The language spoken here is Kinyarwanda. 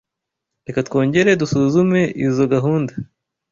Reka twongere dusuzume izoi gahunda.